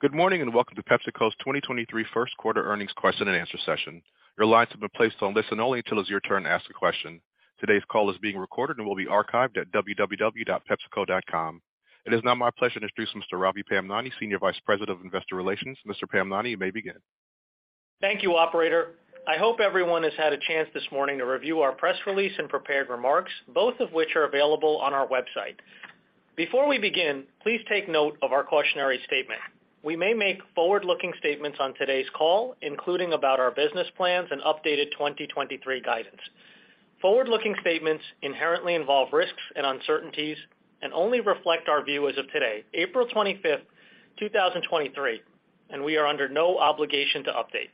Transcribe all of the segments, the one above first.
Good morning, welcome to PepsiCo's 2023 first quarter earnings question and answer session. Your lines have been placed on listen only until it's your turn to ask a question. Today's call is being recorded and will be archived at www.pepsico.com. It is now my pleasure to introduce Mr. Ravi Pamnani, Senior Vice President of Investor Relations. Mr. Pamnani, you may begin. Thank you, operator. I hope everyone has had a chance this morning to review our press release and prepared remarks, both of which are available on our website. Before we begin, please take note of our cautionary statement. We may make forward-looking statements on today's call, including about our business plans and updated 2023 guidance. Forward-looking statements inherently involve risks and uncertainties and only reflect our view as of today, April 25, 2023, and we are under no obligation to update.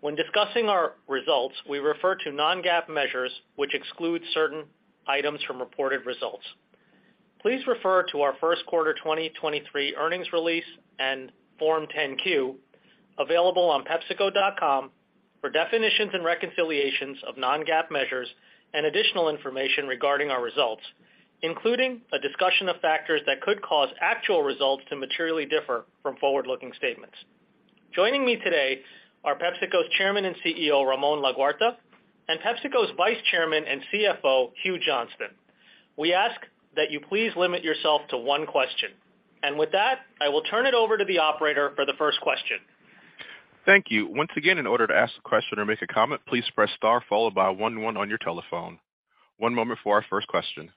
When discussing our results, we refer to non-GAAP measures, which exclude certain items from reported results. Please refer to our first quarter 2023 earnings release and Form 10-Q available on pepsico.com for definitions and reconciliations of non-GAAP measures and additional information regarding our results, including a discussion of factors that could cause actual results to materially differ from forward-looking statements. Joining me today are PepsiCo's Chairman and CEO, Ramon Laguarta, and PepsiCo's Vice Chairman and CFO, Hugh Johnston. We ask that you please limit yourself to one question. With that, I will turn it over to the operator for the first question. Thank you. Once again, in order to ask a question or make a comment, please press star followed by one one on your telephone. One moment for our first question.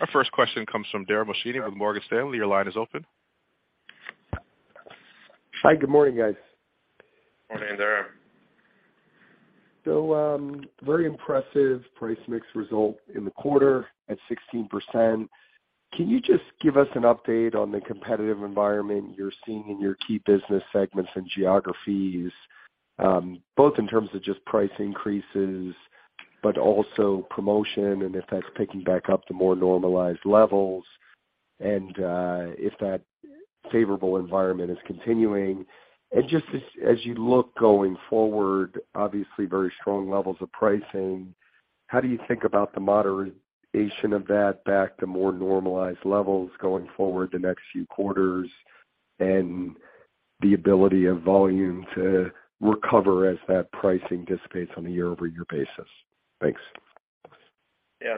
Our first question comes from Dara Mohsenian with Morgan Stanley. Your line is open. Hi, good morning, guys. Morning, Dara. Very impressive price mix result in the quarter at 16%. Can you just give us an update on the competitive environment you're seeing in your key business segments and geographies, both in terms of just price increases, but also promotion, and if that's picking back up to more normalized levels and if that favorable environment is continuing? Just as you look going forward, obviously very strong levels of pricing, how do you think about the moderation of that back to more normalized levels going forward the next few quarters and the ability of volume to recover as that pricing dissipates on a year-over-year basis? Thanks.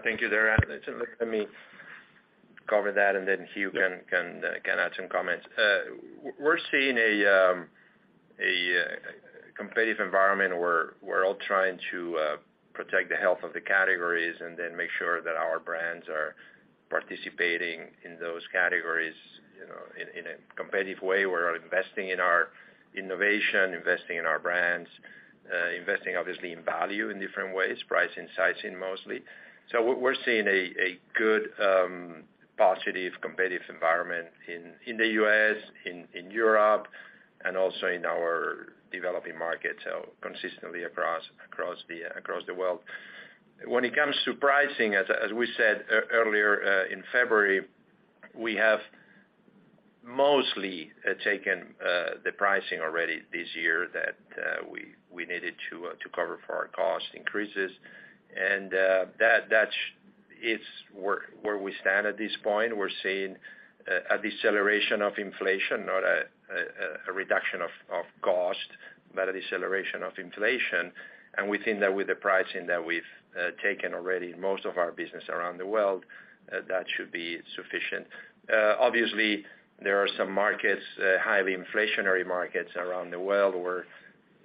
Thank you, Dara. Let me cover that, and then Hugh can add some comments. We're seeing a competitive environment where we're all trying to protect the health of the categories and then make sure that our brands are participating in those categories, you know, in a competitive way. We're investing in our innovation, investing in our brands, investing obviously in value in different ways, price and sizing mostly. We're seeing a good, positive competitive environment in the U.S., in Europe, and also in our developing markets, consistently across the world. When it comes to pricing, as we said earlier, in February, we have mostly taken the pricing already this year that we needed to cover for our cost increases. It's where we stand at this point. We're seeing a deceleration of inflation, not a reduction of cost, but a deceleration of inflation. We think that with the pricing that we've taken already, most of our business around the world, that should be sufficient. Obviously there are some markets, highly inflationary markets around the world where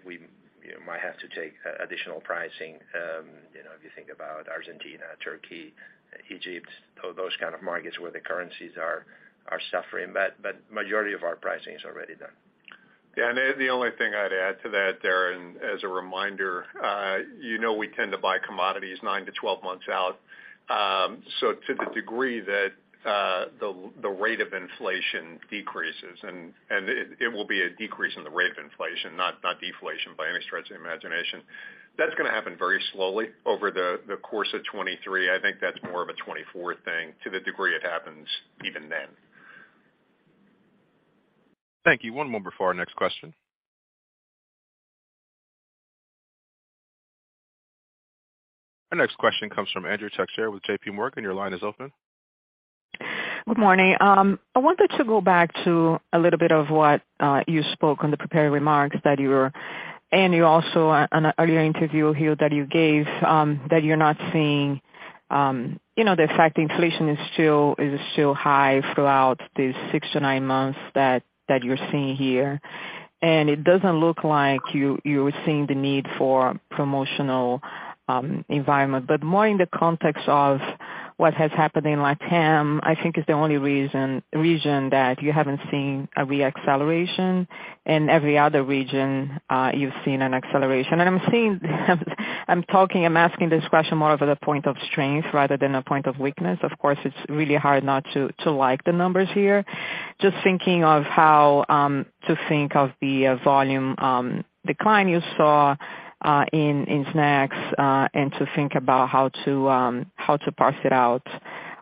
we, you know, might have to take additional pricing. You know, if you think about Argentina, Turkey, Egypt, those kind of markets where the currencies are suffering. Majority of our pricing is already done. Yeah. The only thing I'd add to that, Dara, as a reminder, you know, we tend to buy commodities nine to 12 months out. To the degree that the rate of inflation decreases, and it will be a decrease in the rate of inflation, not deflation by any stretch of the imagination. That's gonna happen very slowly over the course of 2023. I think that's more of a 2024 thing to the degree it happens even then. Thank you. One moment before our next question. Our next question comes from Andrea Teixeira with JPMorgan. Your line is open. Good morning. I wanted to go back to a little bit of what you spoke on the prepared remarks. You also on an earlier interview, Hugh, that you gave, that you're not seeing the fact inflation is still high throughout these six to nine months that you're seeing here. It doesn't look like you're seeing the need for promotional environment. More in the context of what has happened in LATAM, I think is the only region that you haven't seen a re-acceleration. In every other region, you've seen an acceleration. I'm asking this question more of at a point of strength rather than a point of weakness. Of course, it's really hard not to like the numbers here. Just thinking of how to think of the volume decline you saw in snacks and to think about how to parse it out,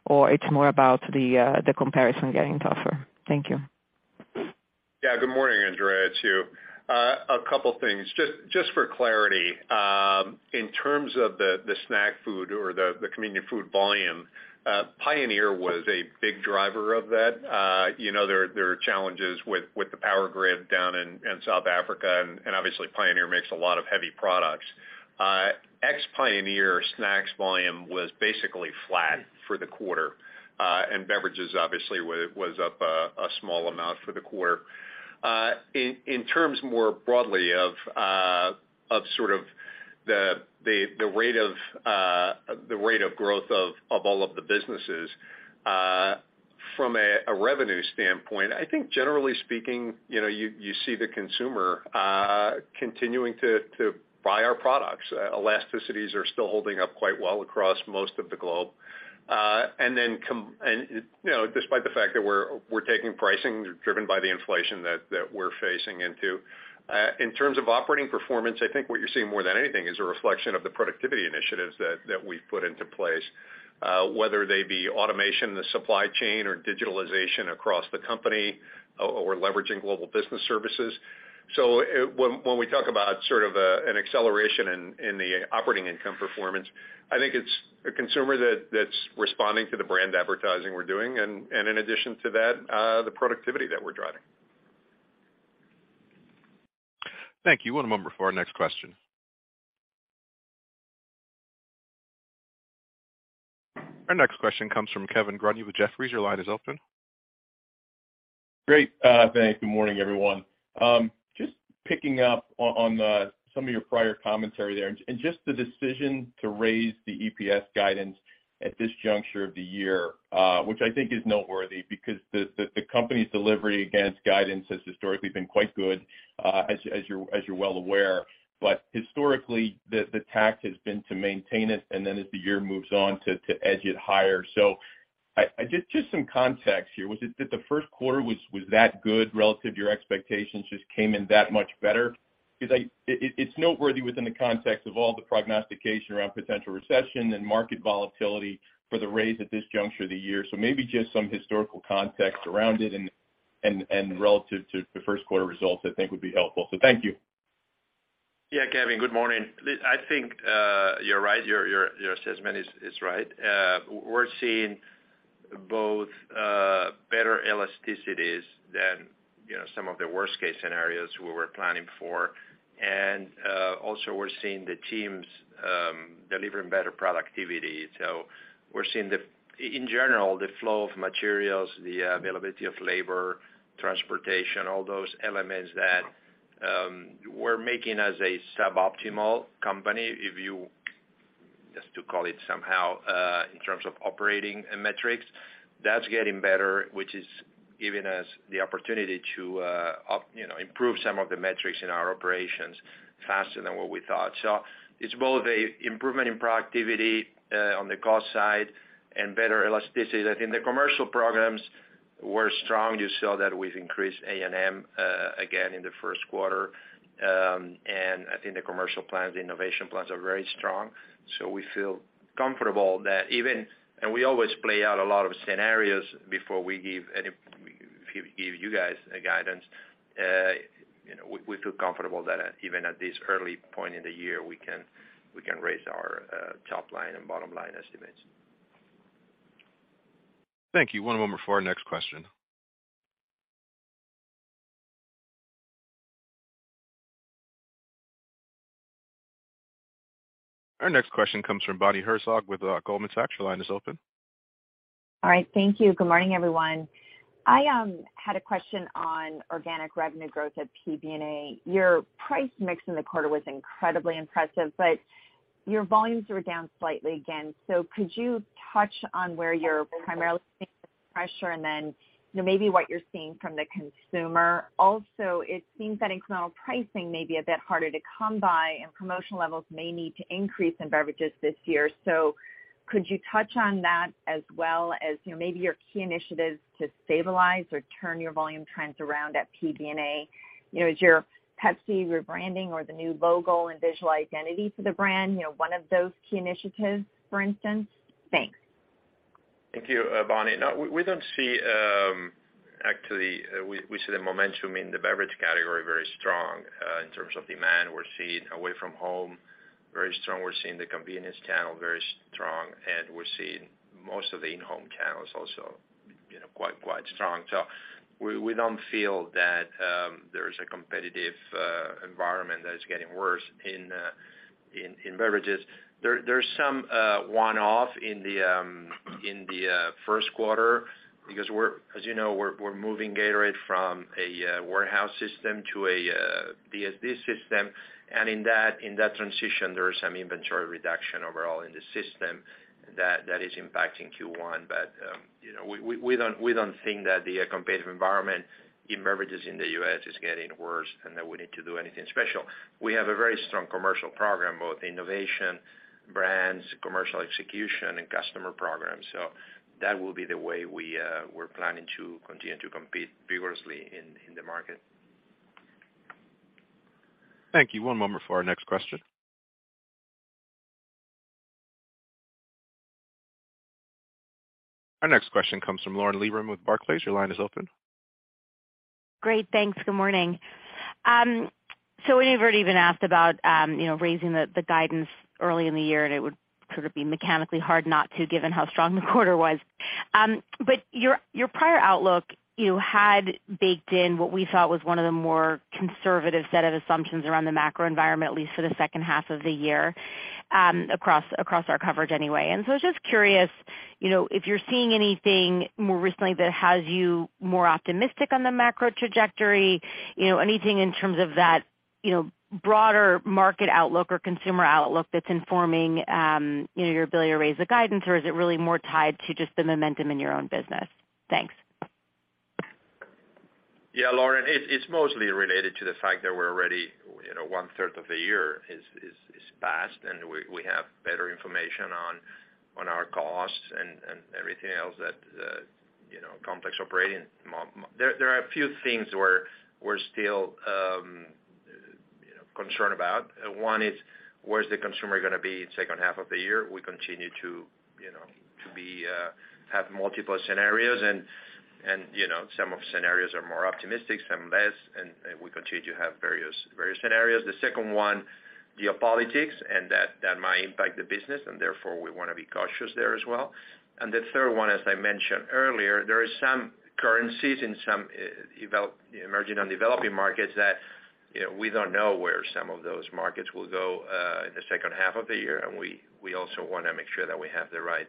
or it's more about the comparison getting tougher. Thank you. Good morning, Andrea Teixeira, it's Hugh Johnston. A couple things. Just for clarity, in terms of the snack food or the convenience food volume, Pioneer Foods was a big driver of that. You know, there are challenges with the power grid down in South Africa, and obviously Pioneer Foods makes a lot of heavy products. Ex Pioneer Foods snacks volume was basically flat for the quarter, and beverages obviously was up a small amount for the quarter. In terms more broadly of sort of the rate of growth of all of the businesses, from a revenue standpoint, I think generally speaking, you know, you see the consumer continuing to buy our products. Elasticities are still holding up quite well across most of the globe. You know, despite the fact that we're taking pricing driven by the inflation that we're facing into. In terms of operating performance, I think what you're seeing more than anything is a reflection of the productivity initiatives that we've put into place, whether they be automation in the supply chain or digitalization across the company or leveraging Global Business Services. When we talk about sort of an acceleration in the operating income performance, I think it's a consumer that's responding to the brand advertising we're doing in addition to that, the productivity that we're driving. Thank you. One moment for our next question. Our next question comes from Kevin Grundy with Jefferies. Your line is open. Great. Thanks. Good morning, everyone. Just picking up on some of your prior commentary there and just the decision to raise the EPS guidance at this juncture of the year, which I think is noteworthy because the company's delivery against guidance has historically been quite good, as you're well aware. Historically the tact has been to maintain it and then as the year moves on to edge it higher. Just some context here, did the first quarter was that good relative to your expectations, just came in that much better? It's noteworthy within the context of all the prognostication around potential recession and market volatility for the raise at this juncture of the year. Maybe just some historical context around it and relative to the first quarter results I think would be helpful. Thank you. Yeah, Kevin, good morning. I think, you're right. Your assessment is right. We're seeing both better elasticities than, you know, some of the worst-case scenarios we were planning for. Also we're seeing the teams delivering better productivity. We're seeing the, in general, the flow of materials, the availability of labor, transportation, all those elements that we're making as a suboptimal company, just to call it somehow, in terms of operating metrics, that's getting better, which is giving us the opportunity to, you know, improve some of the metrics in our operations faster than what we thought. It's both a improvement in productivity on the cost side and better elasticity. I think the commercial programs were strong. You saw that we've increased A&M again in the first quarter. I think the commercial plans, the innovation plans are very strong. We always play out a lot of scenarios before we give you guys a guidance. You know, we feel comfortable that even at this early point in the year, we can raise our top line and bottom line estimates. Thank you. One moment for our next question. Our next question comes from Bonnie Herzog with Goldman Sachs. Your line is open. All right. Thank you. Good morning, everyone. I had a question on organic revenue growth at PBNA. Your price mix in the quarter was incredibly impressive, but your volumes were down slightly again. Could you touch on where you're primarily seeing the pressure and then, you know, maybe what you're seeing from the consumer? It seems that incremental pricing may be a bit harder to come by and promotional levels may need to increase in beverages this year. Could you touch on that as well as, you know, maybe your key initiatives to stabilize or turn your volume trends around at PBNA? You know, is your Pepsi rebranding or the new logo and visual identity for the brand, you know, one of those key initiatives, for instance? Thanks. Thank you, Bonnie. No, we don't see. Actually, we see the momentum in the beverage category very strong in terms of demand. We're seeing away from home very strong. We're seeing the convenience channel very strong, and we're seeing most of the in-home channels also, you know, quite strong. We don't feel that there's a competitive environment that is getting worse in beverages. There's some one-off in the first quarter because, as you know, we're moving Gatorade from a warehouse system to a DSD system. In that transition, there is some inventory reduction overall in the system that is impacting Q1. You know, we don't think that the competitive environment in beverages in the U.S. is getting worse and that we need to do anything special. We have a very strong commercial program, both innovation, brands, commercial execution, and customer programs. That will be the way we're planning to continue to compete vigorously in the market. Thank you. One moment for our next question. Our next question comes from Lauren Lieberman with Barclays. Your line is open. Great. Thanks. Good morning. We've already been asked about, you know, raising the guidance early in the year, and it would sort of be mechanically hard not to given how strong the quarter was. Your, your prior outlook, you had baked in what we thought was one of the more conservative set of assumptions around the macro environment, at least for the second half of the year, across our coverage anyway. I was just curious, you know, if you're seeing anything more recently that has you more optimistic on the macro trajectory, you know, anything in terms of that, you know, broader market outlook or consumer outlook that's informing, you know, your ability to raise the guidance? Or is it really more tied to just the momentum in your own business? Thanks. Yeah, Lauren, it's mostly related to the fact that we're already, you know, one-third of the year is passed, and we have better information on our costs and everything else that, you know, complex operating. There are a few things we're still, you know, concerned about. One is, where's the consumer gonna be in second half of the year? We continue to, you know, have multiple scenarios and, you know, some of scenarios are more optimistic, some less, and we continue to have various scenarios. The second one, geopolitics, and that might impact the business, and therefore we wanna be cautious there as well. The third one, as I mentioned earlier, there is some currencies in some emerging and developing markets that, you know, we don't know where some of those markets will go in the second half of the year, we also wanna make sure that we have the right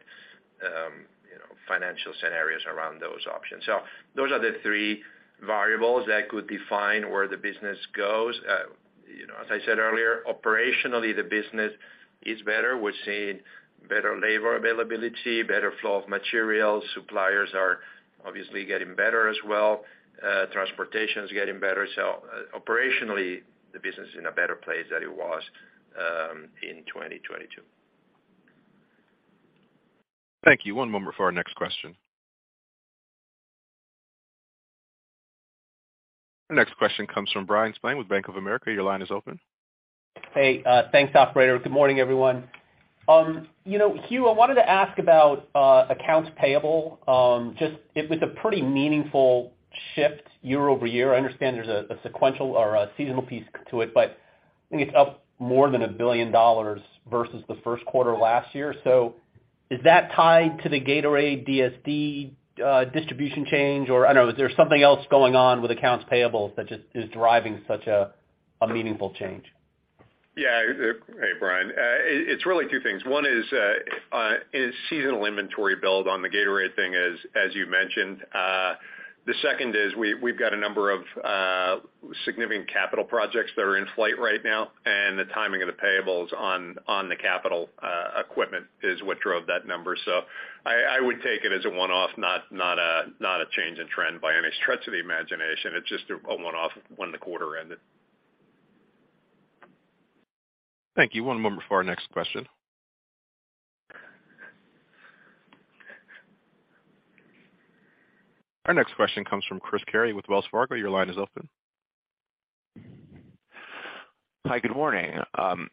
financial scenarios around those options. Those are the three variables that could define where the business goes. You know, as I said earlier, operationally, the business is better. We're seeing better labor availability, better flow of materials. Suppliers are obviously getting better as well. Transportation is getting better. Operationally, the business is in a better place than it was in 2022. Thank you. One moment for our next question. Our next question comes from Bryan Spillane with Bank of America. Your line is open. Hey, thanks, operator. Good morning, everyone. You know, Hugh, I wanted to ask about accounts payable. Just it was a pretty meaningful shift year-over-year. I understand there's a sequential or a seasonal piece to it, but I think it's up more than $1 billion versus the first quarter last year. Is that tied to the Gatorade DSD distribution change? I don't know, is there something else going on with accounts payables that just is driving such a meaningful change? Yeah. Hey, Bryan. It's really two things. One is seasonal inventory build on the Gatorade thing, as you mentioned. The second is we've got a number of significant capital projects that are in flight right now, and the timing of the payables on the capital equipment is what drove that number. I would take it as a one-off, not a change in trend by any stretch of the imagination. It's just a one-off when the quarter ended. Thank you. One moment for our next question. Our next question comes from Christopher Carey with Wells Fargo. Your line is open. Hi, good morning. Good morning.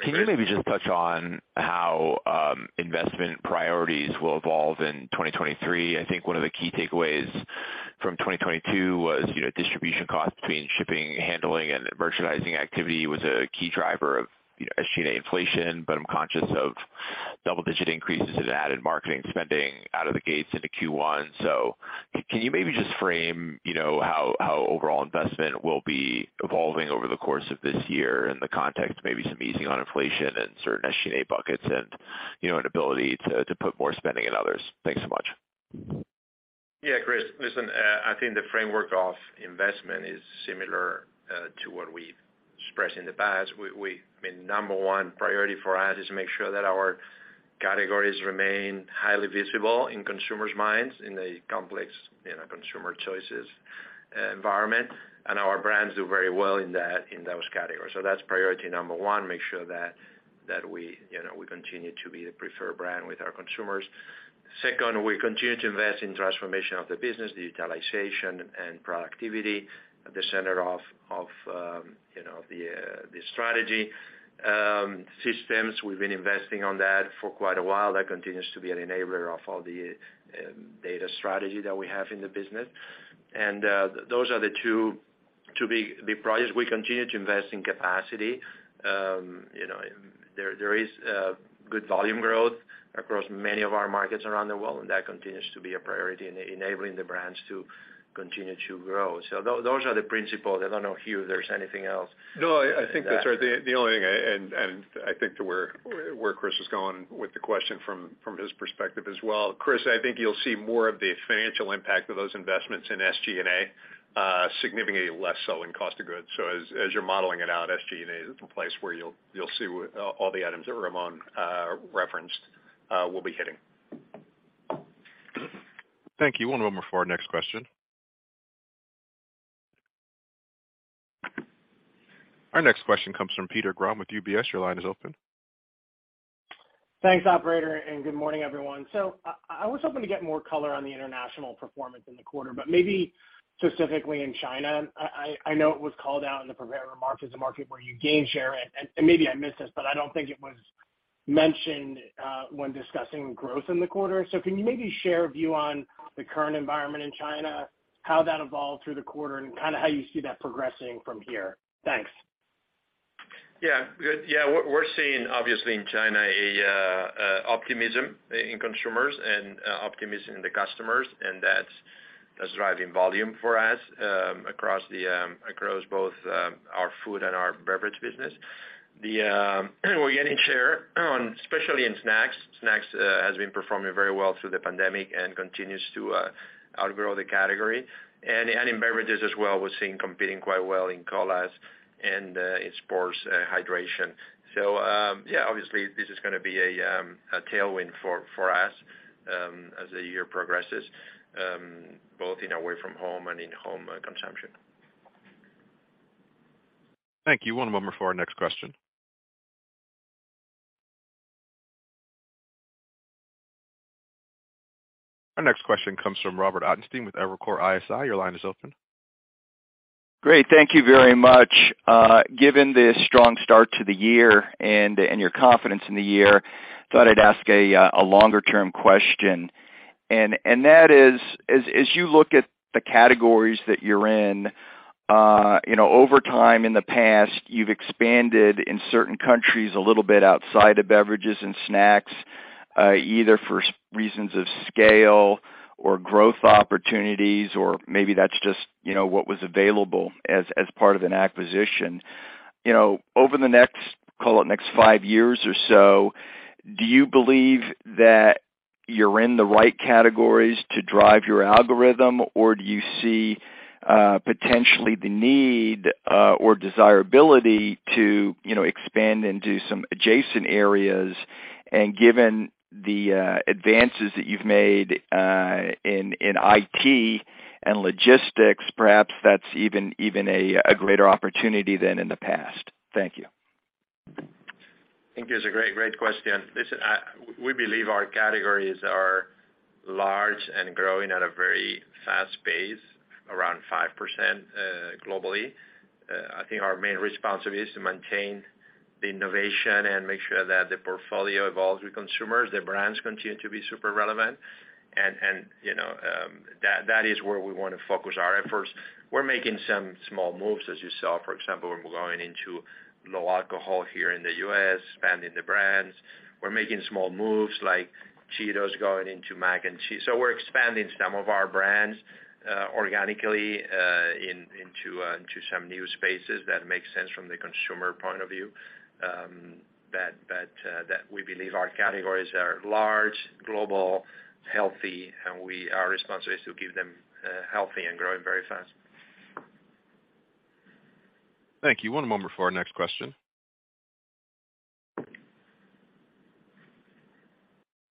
Can you maybe just touch on how investment priorities will evolve in 2023? I think one of the key takeaways from 2022 was, you know, distribution costs between shipping, handling, and merchandising activity was a key driver of, you know, SG&A inflation. I'm conscious of double-digit increases in added marketing spending out of the gates into Q1. Can you maybe just frame, you know, how overall investment will be evolving over the course of this year in the context of maybe some easing on inflation in certain SG&A buckets and, you know, an ability to put more spending in others? Thanks so much. Yeah, Chris. Listen, I think the framework of investment is similar to what we've expressed in the past. I mean, number one priority for us is to make sure that our categories remain highly visible in consumers' minds in a complex, you know, consumer choices environment, and our brands do very well in those categories. That's priority number one, make sure that we, you know, we continue to be the preferred brand with our consumers. Second, we continue to invest in transformation of the business, digitalization and productivity at the center of, you know, the strategy. Systems, we've been investing on that for quite a while. That continues to be an enabler of all the data strategy that we have in the business. Those are the two big priorities. We continue to invest in capacity. You know, there is good volume growth across many of our markets around the world, and that continues to be a priority in enabling the brands to continue to grow. Those are the principles. I don't know, Hugh, if there's anything else to add. No, I think that's right. I think to where Chris was going with the question from his perspective as well, Chris, I think you'll see more of the financial impact of those investments in SG&A, significantly less so in cost of goods. As you're modeling it out, SG&A is the place where you'll see all the items that Ramon referenced will be hitting. Thank you. One moment for our next question. Our next question comes from Peter Grom with UBS. Your line is open. Thanks, operator, and good morning, everyone. I was hoping to get more color on the international performance in the quarter, but maybe specifically in China. I know it was called out in the prepared remarks as a market where you gain share, and maybe I missed this, but I don't think it was- mentioned, when discussing growth in the quarter. Can you maybe share a view on the current environment in China, how that evolved through the quarter, and kind of how you see that progressing from here? Thanks. Good. We're seeing obviously in China a optimism in consumers and optimism in the customers, that's driving volume for us across the across both our food and our beverage business. We're gaining share on, especially in snacks. Snacks has been performing very well through the pandemic and continues to outgrow the category. In beverages as well, we're seeing competing quite well in colas and in sports hydration. Obviously this is gonna be a tailwind for us as the year progresses both in away from home and in home consumption. Thank you. One moment for our next question. Our next question comes from Robert Ottenstein with Evercore ISI. Your line is open. Great. Thank you very much. Given the strong start to the year and your confidence in the year, thought I'd ask a longer-term question. That is, as you look at the categories that you're in, you know, over time in the past, you've expanded in certain countries a little bit outside of beverages and snacks, either for reasons of scale or growth opportunities, or maybe that's just, you know, what was available as part of an acquisition. You know, over the next, call it, next five years or so, do you believe that you're in the right categories to drive your algorithm? Or do you see, potentially the need, or desirability to, you know, expand into some adjacent areas? Given the advances that you've made in IT and logistics, perhaps that's even a greater opportunity than in the past. Thank you. I think it's a great question. Listen, we believe our categories are large and growing at a very fast pace, around 5% globally. I think our main responsibility is to maintain the innovation and make sure that the portfolio evolves with consumers, the brands continue to be super relevant. You know, that is where we want to focus our efforts. We're making some small moves, as you saw, for example, when we're going into low alcohol here in the U.S., expanding the brands. We're making small moves like Cheetos going into mac and cheese. We're expanding some of our brands organically into some new spaces that make sense from the consumer point of view. That we believe our categories are large, global, healthy, and we... Our responsibility is to keep them healthy and growing very fast. Thank you. One moment for our next question.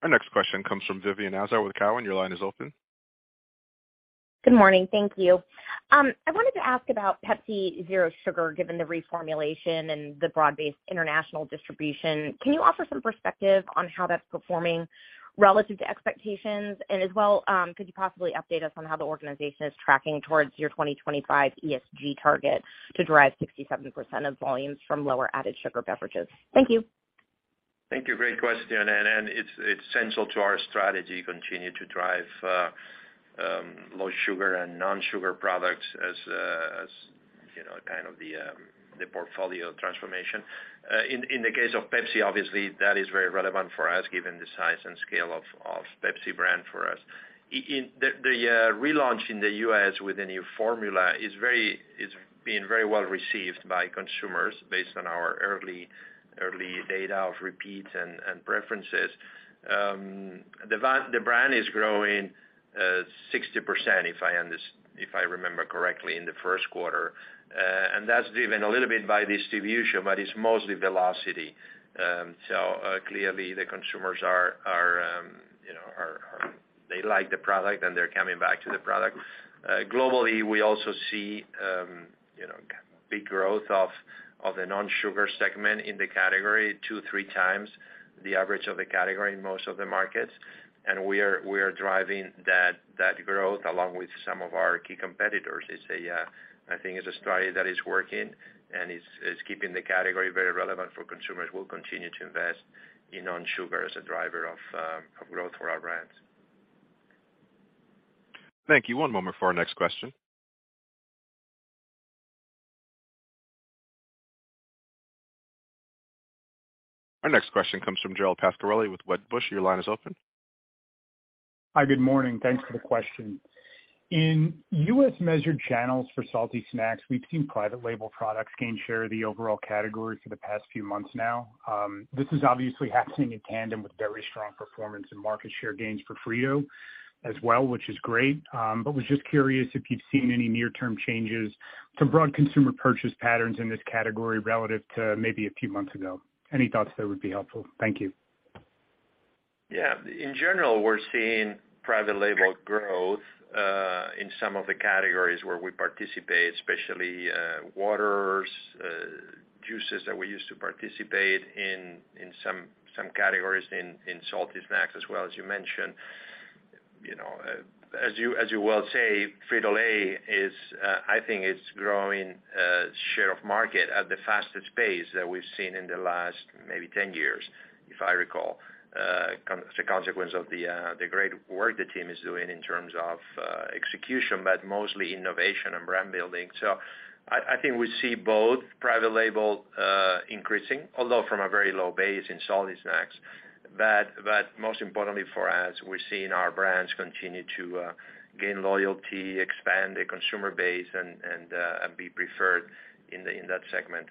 Our next question comes from Vivien Azer with Cowen. Your line is open. Good morning. Thank you. I wanted to ask about Pepsi Zero Sugar, given the reformulation and the broad-based international distribution. Can you offer some perspective on how that's performing relative to expectations? As well, could you possibly update us on how the organization is tracking towards your 2025 ESG target to derive 67% of volumes from lower added sugar beverages? Thank you. Thank you. Great question. It's, it's central to our strategy to continue to drive low sugar and non-sugar products as, you know, kind of the portfolio transformation. In the case of Pepsi, obviously that is very relevant for us given the size and scale of Pepsi brand for us. The relaunch in the U.S. with the new formula is being very well received by consumers based on our early data of repeats and preferences. The brand is growing 60%, if I remember correctly, in the first quarter. That's driven a little bit by distribution, but it's mostly velocity. Clearly the consumers are, you know, they like the product and they're coming back to the product. Globally, we also see, you know, big growth of the non-sugar segment in the category two, three times the average of the category in most of the markets. We are driving that growth along with some of our key competitors. It's a, I think it's a strategy that is working and is keeping the category very relevant for consumers. We'll continue to invest in non-sugar as a driver of growth for our brands. Thank you. One moment for our next question. Our next question comes from Gerald Pascarelli with Wedbush. Your line is open. Hi. Good morning. Thanks for the question. In U.S. measured channels for salty snacks, we've seen private label products gain share of the overall category for the past few months now. This is obviously happening in tandem with very strong performance and market share gains for Frito-Lay as well, which is great. Was just curious if you've seen any near-term changes to broad consumer purchase patterns in this category relative to maybe a few months ago. Any thoughts there would be helpful. Thank you. Yeah. In general, we're seeing private label growth, in some of the categories where we participate, especially waters, juices that we used to participate in some categories in salty snacks as well, as you mentioned. You know, as you well say, Frito-Lay is, I think it's growing share of market at the fastest pace that we've seen in the last maybe 10 years, if I recall. As a consequence of the great work the team is doing in terms of execution, but mostly innovation and brand building. I think we see both private label increasing, although from a very low base in salty snacks. Most importantly for us, we're seeing our brands continue to gain loyalty, expand the consumer base, and be preferred in that segment.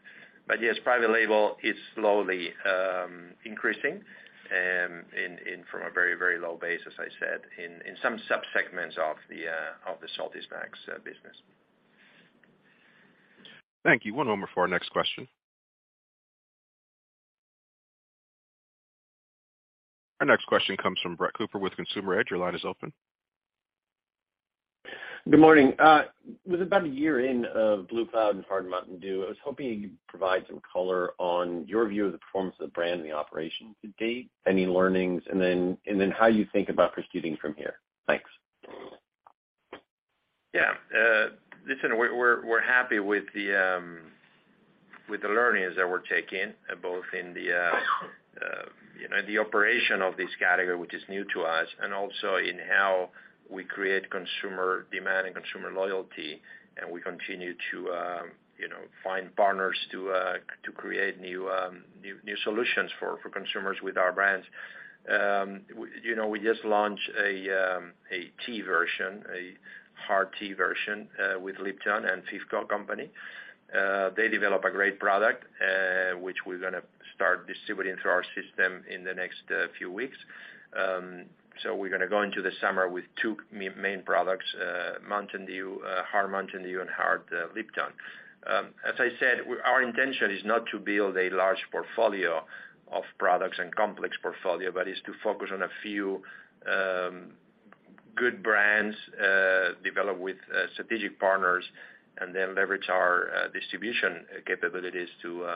Yes, private label is slowly increasing from a very, very low base, as I said, in some subsegments of the salty snacks business. Thank you. One moment for our next question. Our next question comes from Brett Cooper with Consumer Edge. Your line is open. Good morning. With about a year in of Blue Cloud and Hard Mountain Dew, I was hoping you could provide some color on your view of the performance of the brand and the operation to date, any learnings, and then how you think about proceeding from here. Thanks. Yeah. Listen, we're happy with the learnings that we're taking, both in the, you know, the operation of this category, which is new to us, and also in how we create consumer demand and consumer loyalty. And we continue to, you know, find partners to create new solutions for consumers with our brands. We, you know, we just launched a tea version, a hard-tea version, with Lipton and PepsiCo company. They developed a great product, which we're gonna start distributing through our system in the next few weeks. So we're gonna go into the summer with two main products, Mountain Dew, Hard Mountain Dew and Hard Lipton. As I said, our intention is not to build a large portfolio of products and complex portfolio, but is to focus on a few good brands developed with strategic partners, and then leverage our distribution capabilities to,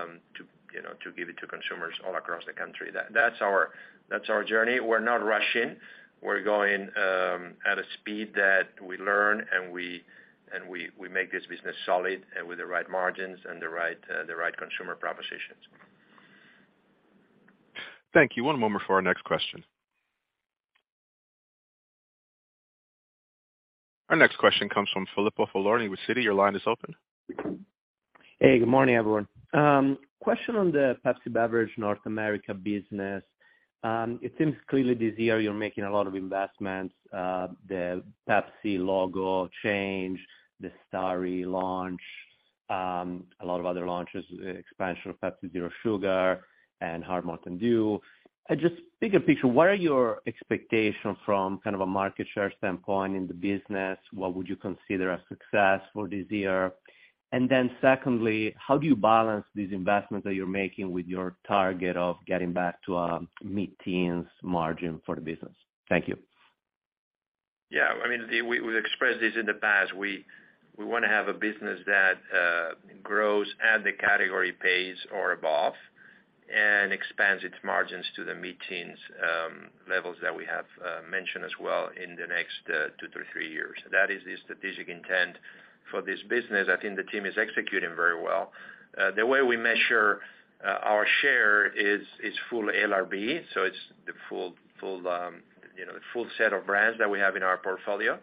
you know, to give it to consumers all across the country. That's our, that's our journey. We're not rushing. We're going at a speed that we learn, and we make this business solid and with the right margins and the right consumer propositions. Thank you. One moment for our next question. Our next question comes from Filippo Falorni with Citi. Your line is open. Hey, good morning, everyone. Question on the PepsiCo Beverages North America business. It seems clearly this year you're making a lot of investments. The Pepsi logo change, the Starry launch, a lot of other launches, expansion of Pepsi Zero Sugar and Hard Mountain Dew. Just bigger picture, what are your expectations from kind of a market share standpoint in the business? What would you consider a success for this year? Secondly, how do you balance these investments that you're making with your target of getting back to mid-teens margin for the business? Thank you. Yeah. I mean, we expressed this in the past. We wanna have a business that grows at the category pace or above and expands its margins to the mid-teens levels that we have mentioned as well in the next two to three years. That is the strategic intent for this business. I think the team is executing very well. The way we measure our share is full LRB, so it's the full, you know, full set of brands that we have in our portfolio,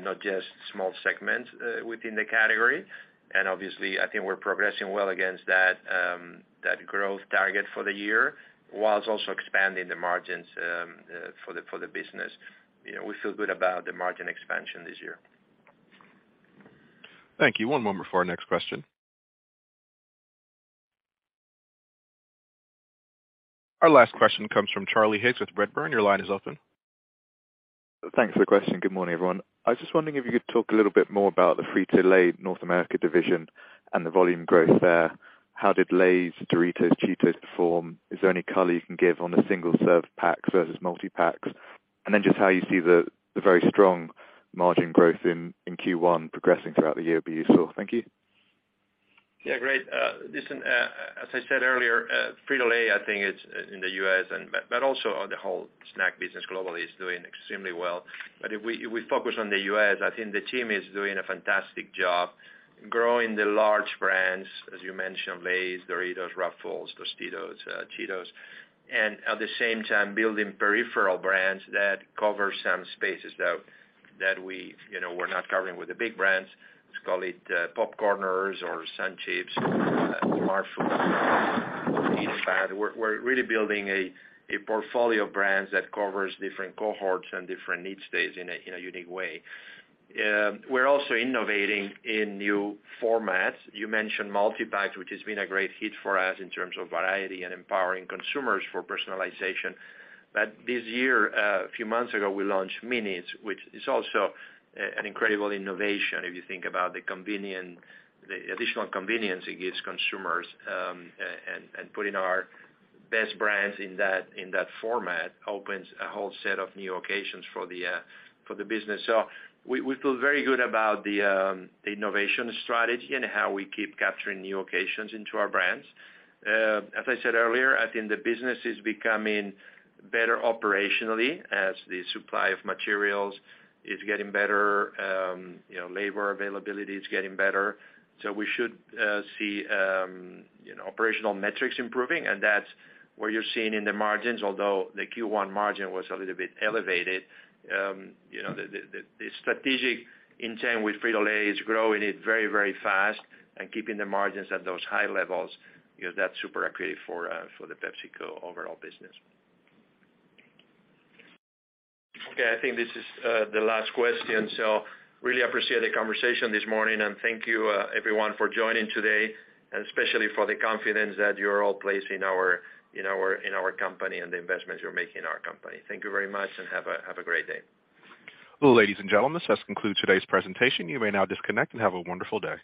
not just small segments within the category. Obviously, I think we're progressing well against that growth target for the year, whilst also expanding the margins for the business. You know, we feel good about the margin expansion this year. Thank you. One moment for our next question. Our last question comes from Charlie Higgs with Redburn. Your line is open. Thanks for the question. Good morning, everyone. I was just wondering if you could talk a little bit more about the Frito-Lay North America division and the volume growth there. How did Lay's, Doritos, Cheetos perform? Is there any color you can give on the single-serve packs versus multi-packs? Just how you see the very strong margin growth in Q1 progressing throughout the year would be useful. Thank you. Great. Listen, as I said earlier, Frito-Lay, I think it's in the U.S. and also on the whole snack business globally is doing extremely well. If we focus on the U.S., I think the team is doing a fantastic job growing the large brands, as you mentioned, Lay's, Doritos, Ruffles, Tostitos, Cheetos. At the same time building peripheral brands that cover some spaces that we, you know, we're not covering with the big brands. Let's call it PopCorners or SunChips or Smartfood. We really building a portfolio of brands that covers different cohorts and different need states in a unique way. We also innovating in new formats. You mentioned multipacks, which has been a great hit for us in terms of variety and empowering consumers for personalization. This year, a few months ago, we launched minis, which is also an incredible innovation if you think about the convenient, the additional convenience it gives consumers, and putting our best brands in that format opens a whole set of new occasions for the business. We feel very good about the innovation strategy and how we keep capturing new occasions into our brands. As I said earlier, I think the business is becoming better operationally as the supply of materials is getting better, you know, labor availability is getting better. We should see, you know, operational metrics improving, and that's what you're seeing in the margins. Although the Q1 margin was a little bit elevated, you know, the strategic intent with Frito-Lay is growing it very, very fast and keeping the margins at those high levels, because that's super accretive for the PepsiCo overall business. Okay, I think this is the last question. Really appreciate the conversation this morning. Thank you, everyone for joining today, and especially for the confidence that you're all placing in our company and the investments you're making in our company. Thank you very much and have a great day. Ladies and gentlemen, this has concluded today's presentation. You may now disconnect and have a wonderful day.